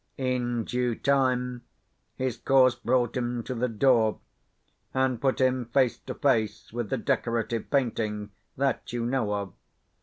In due time, his course brought him to the door, and put him face to face with the decorative painting that you know of.